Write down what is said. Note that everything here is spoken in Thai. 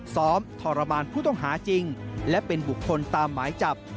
ทรมานผู้ต้องหาจริงและเป็นบุคคลตามหมายจับ